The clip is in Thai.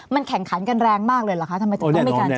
มันแข่งขันกันแรงมากเลยเหรอคะทำไมถึงต้องมีการ